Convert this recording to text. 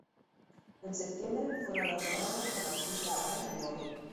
En septiembre fue galardonado con la "Cruz Alemana en oro".